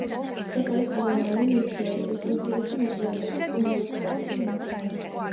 ეს არის ყველანაირი ნივთიერების უმცირესი ნაწილაკების უნივერსალური მუდმივა.